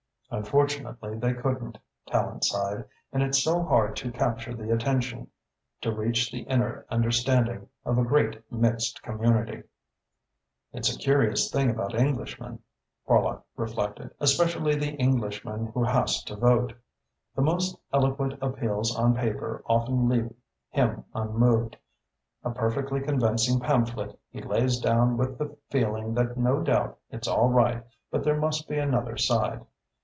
"Unfortunately they couldn't," Tallente sighed, "and it's so hard to capture the attention, to reach the inner understanding, of a great mixed community." "It's a curious thing about Englishmen," Horlock reflected, "especially the Englishman who has to vote. The most eloquent appeals on paper often leave him unmoved. A perfectly convincing pamphlet he lays down with the feeling that no doubt it's all right but there must be another side.